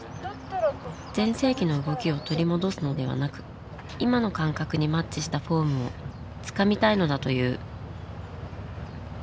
全盛期の動きを取り戻すのではなく今の感覚にマッチしたフォームをつかみたいのだという。